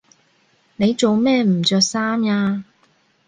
你做咩唔着衫呀？